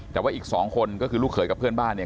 แต่ว่าอีก๒คนก็คือลูกเขยกับเพื่อนบ้านเนี่ย